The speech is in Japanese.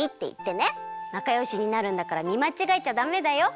なかよしになるんだからみまちがえちゃダメだよ。